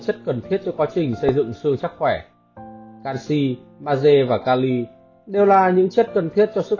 hãy đăng kí cho kênh lalaschool để không bỏ lỡ những video hấp dẫn